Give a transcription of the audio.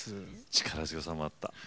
力強さもあった。